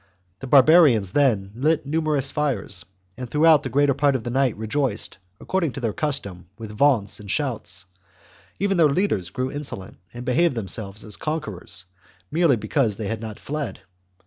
The barbarians then lit numerous fires, and throughout the greater part of the night rejoiced, according to their custom, with vaunts and shouts ; even their leaders . THE JUGURTHINE WAR. 23 1 grew insolent, and behaved themselves as conquerors, chap. merely because they had not fled.